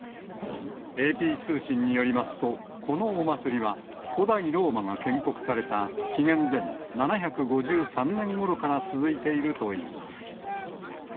ＡＰ通信によりますと、このお祭りは、古代ローマが建国された、紀元前７５３年ごろから続いているといいます。